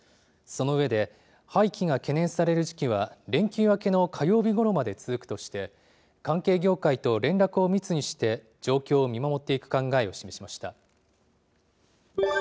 その上で、廃棄が懸念される時期は、連休明けの火曜日ごろまで続くとして、関係業界と連絡を密にして、状況を見守っていく考えを示しました。